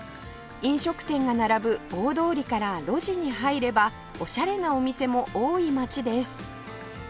飲食店が並ぶ大通りから路地に入ればおしゃれなお店も多い街です